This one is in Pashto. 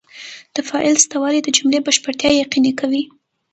د فاعل سته والى د جملې بشپړتیا یقیني کوي.